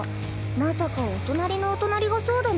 まさかお隣のお隣がそうだなんて。